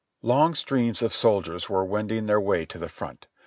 Long streams of soldiers were wending their way to the front.